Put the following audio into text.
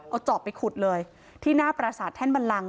เอาจอบไปขุดเลยที่หน้าประสาทแท่นบันลัง